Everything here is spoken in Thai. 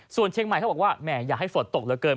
ส่วนเชียงใหม่เขาบอกว่าแหมอยากให้ฝนตกเหลือเกิน